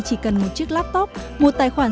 chỉ cần một chiếc laptop một tài khoản